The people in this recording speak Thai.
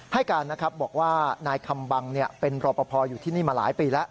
ให้การนะครับบอกว่านายคำบังเป็นรอปภอยู่ที่นี่มาหลายปีแล้ว